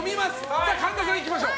さあ、神田さんいきましょう。